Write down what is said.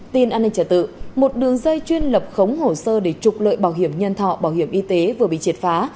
tin an ninh trả tự một đường dây chuyên lập khống hồ sơ để trục lợi bảo hiểm nhân thọ bảo hiểm y tế vừa bị triệt phá